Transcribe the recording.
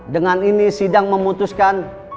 dengan ini sidang memutuskan